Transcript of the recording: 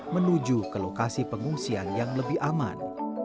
menuju ke lokasi pengungsian yang lebih aman